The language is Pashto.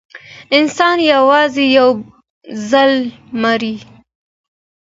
انسان یوازې یو ځل مري.